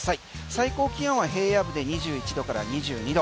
最高気温は平野部で２１度から２２度。